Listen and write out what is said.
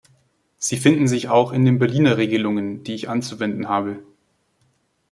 Sie finden sich auch in den Berliner Regelungen, die ich anzuwenden habe.